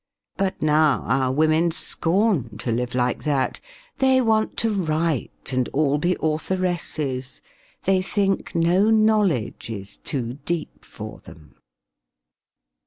But now our women scorn to live like that; They want to write and all be authoresses. They think no knowledge is too deep for them."